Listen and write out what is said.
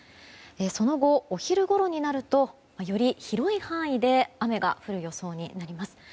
その後、お昼ごろになるとより広い範囲で雨が降る予想になります。